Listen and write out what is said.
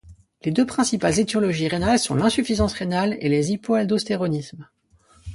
Les deux principales étiologies rénales sont l'insuffisance rénale et les hypoaldostéronismes.